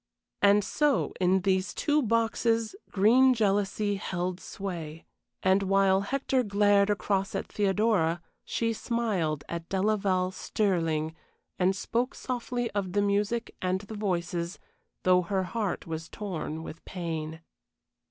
And so in these two boxes green jealousy held sway, and while Hector glared across at Theodora she smiled at Delaval Stirling, and spoke softly of the music and the voices, though her heart was torn with pain.